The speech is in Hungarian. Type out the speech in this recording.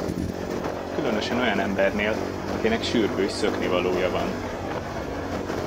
Különösen olyan embernél, akinek sürgős szöknivalója van.